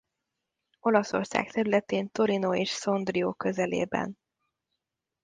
Olaszország területén Torino és Sondrio közelében.